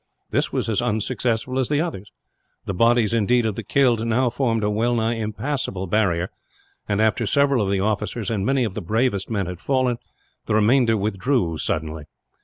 This was as unsuccessful as the others. The bodies, indeed, of the killed now forming a well nigh impassable barrier and, after several of the officers and many of the bravest men had fallen, the remainder withdrew suddenly.